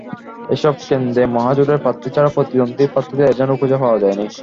এসব কেন্দ্রে মহাজোটের প্রার্থী ছাড়া প্রতিদ্বন্দ্বী প্রার্থীদের এজেন্টও খুঁজে পাওয়া যায়নি।